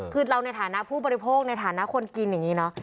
คือเราในฐานะผู้บริโภคในฐานะคนกินอย่างนี้เนอะ